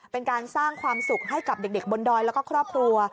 เป็นการสร้างความสุขให้กับเด็กบนดอยแล้วก็ครอบครัว